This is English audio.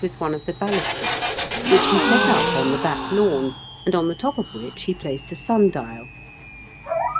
25 with one of the balusters, which he set up on the back lawn, and on the top of which he placed a sun dial.